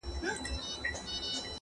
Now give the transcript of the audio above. هغه ښه دي نه چي ستا پر عقل سم وي-